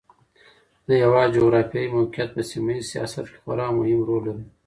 د هېواد جغرافیایي موقعیت په سیمه ییز سیاست کې خورا مهم رول لري.